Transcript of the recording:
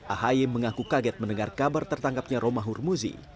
ahy mengaku kaget mendengar kabar tertangkapnya romahur muzi